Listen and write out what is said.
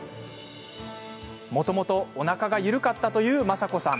もともと、おなかが緩かったというまさこさん。